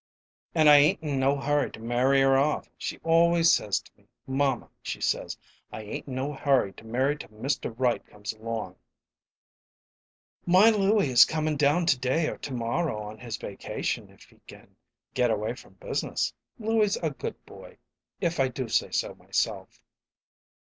I ain't in no hurry to marry her off. She always says to me, 'Mamma,' she says, 'I ain't in no hurry to marry till Mr. Right comes along.'" "My Louie is comin' down to day or to morrow on his vacation if he can get away from business. Louie's a good boy if I do say so myself."